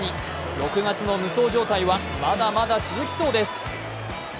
６月の無双状態はまだまだ続きそうです。